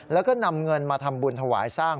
แล้วก็นำเงินมาทำบุญถวายสร้าง